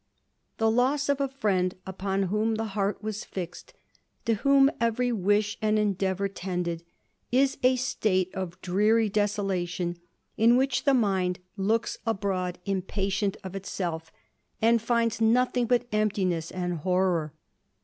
The loss of a friend upon whom the heart was fixed, to whom every wish and endeavour tended, is a state of dreary desolation, in which the mind looks abroad impatient ot itself, and finds nothing but emptiness and horrour.